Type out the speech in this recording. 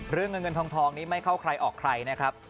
เรื่องเงินเงินทองนี้ไม่เข้าใครออกใครนะครับ